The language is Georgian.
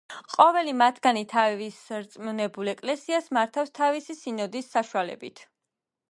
ყოველი მათგანი თავის რწმუნებულ ეკლესიას მართავს თავისი სინოდის საშუალებით.